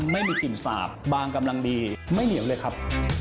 ไม่มีกลิ่นสาบบางกำลังดีไม่เหนียวเลยครับ